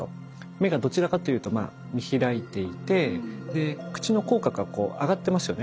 目がどちらかというと見開いていて口の口角が上がってますよね。